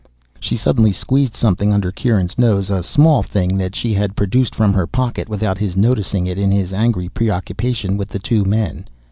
She suddenly squeezed something under Kieran's nose, a small thing that she had produced from her pocket without his noticing it, in his angry preoccupation with the two men.